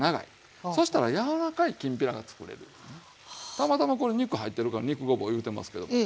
たまたまこれ肉入ってるから肉ごぼういうてますけども。